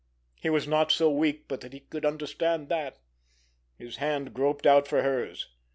He was not so weak but that he could understand that. His hand groped out for hers.